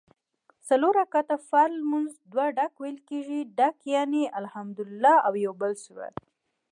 څلور رکعته فرض لمونځ دوه ډک ویل کېږي ډک یعني الحمدوالله او یوبل سورت